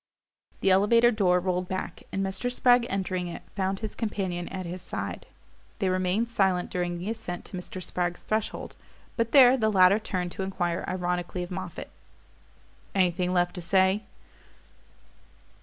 The elevator door rolled back, and Mr. Spragg, entering it, found his companion at his side. They remained silent during the ascent to Mr. Spragg's threshold; but there the latter turned to enquire ironically of Moffatt: "Anything left to say?"